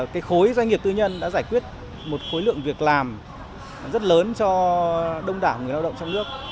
cái khối doanh nghiệp tư nhân đã giải quyết một khối lượng việc làm rất lớn cho đông đảo người lao động trong nước